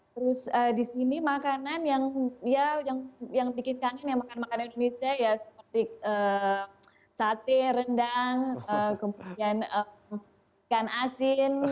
terus di sini makanan yang ya yang bikin kangen ya makan makanan indonesia ya seperti sate rendang kemudian ikan asin